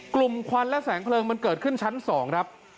ควันและแสงเพลิงมันเกิดขึ้นชั้น๒ครับ